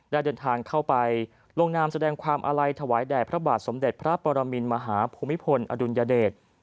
ได้เดินทางเข้าไปลงนามแสดงความอาลัยถวายแด่พระบาทสมเด็จพระปรมินมหาภูมิพลอดุลยเดช